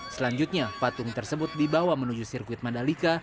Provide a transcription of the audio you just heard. selanjutnya patung tersebut dibawa menuju sirkuit mandalika